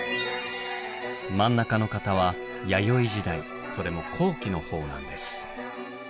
真ん中の方は弥生時代それも後期のほうなんです。